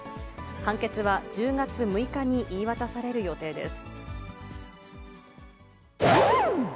判決は１０月６日に言い渡される予定です。